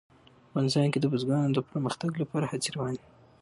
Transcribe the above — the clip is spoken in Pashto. افغانستان کې د بزګانو د پرمختګ لپاره هڅې روانې دي.